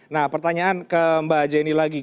nah pertanyaan ke mbak haji ini lagi